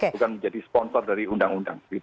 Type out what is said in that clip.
bukan menjadi sponsor dari undang undang